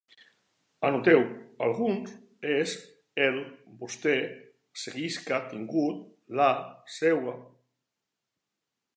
Anoteu: alguns, és, el, vostè, seguisca, tingut, la, seua